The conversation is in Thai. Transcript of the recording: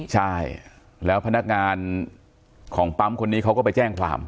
ใช่แล้วพนักงานของปั๊มคนนี้เขาก็ไปแจ้งความ